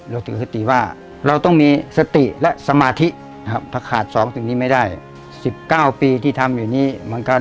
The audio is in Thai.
เราถือสติว่าเราต้องมีสติและสมาธินะครับถ้าขาด๒สิ่งนี้ไม่ได้๑๙ปีที่ทำอยู่นี้มันก็